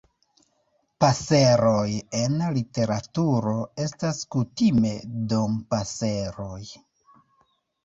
Paseroj en literaturo estas kutime Dompaseroj.